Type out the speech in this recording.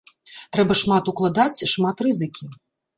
Трэба шмат укладаць, шмат рызыкі.